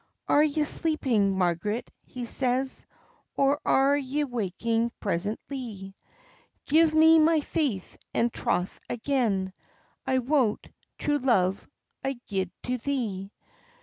"Are ye sleeping, Margaret?" he says, "Or are ye waking presentlie? Give me my faith and troth again, I wot, true love, I gied to thee."